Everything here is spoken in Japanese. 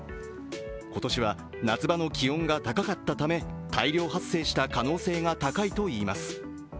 今年は、夏場の気温が高かったため大量発生した可能性が高いといいます。